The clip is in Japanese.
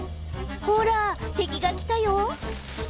ほら敵が来たよ！